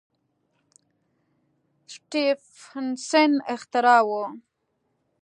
سټېفنسن اختراع وه.